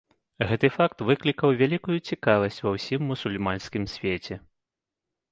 Гэты факт выклікаў вялікую цікавасць ва ўсім мусульманскім свеце.